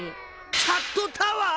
キャットタワー！？